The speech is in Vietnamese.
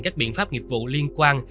các biện pháp nghiệp vụ liên quan